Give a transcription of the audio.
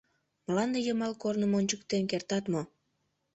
«Мланде йымал корным ончыктен кертат мо?»